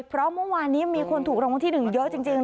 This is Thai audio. เพราะเมื่อวานนี้มีคนถูกรางวัลที่๑เยอะจริง